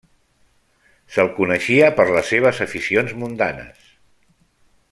Se'l coneixia per les seves aficions mundanes.